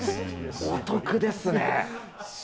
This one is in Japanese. お得ですね。